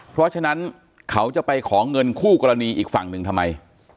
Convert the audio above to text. เพราะฉะนั้นเขาจะไปขอเงินคู่กรณีอีกฝั่งหนึ่งทำไม